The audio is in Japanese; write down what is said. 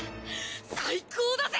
最高だぜ！